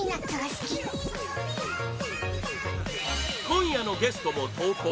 今夜のゲストも投稿